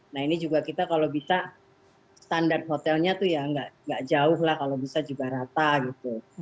nah ini juga kita kalau bisa standar hotelnya tuh ya nggak jauh lah kalau bisa juga rata gitu